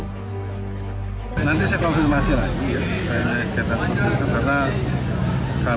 nanti saya konfirmasi lagi ya karena kami juga masih mendata masing masing korban